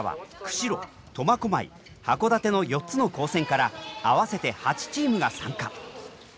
釧路苫小牧函館の４つの高専から合わせて８チームが参加。